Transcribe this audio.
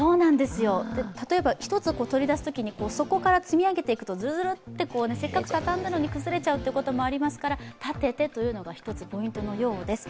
例えば、１つ取り出すときに、底から積み上げていくとズルズルッとせっかく畳んだのに崩れちゃうということがありますので、立ててというのが１つ、ポイントのようです。